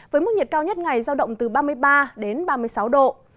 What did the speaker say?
với mức nhiệt cao nhất ngày giao động từ ba mươi ba đến ba mươi sáu độ